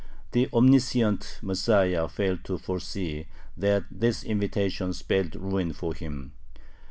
The omniscient Messiah failed to foresee that this invitation spelled ruin for him.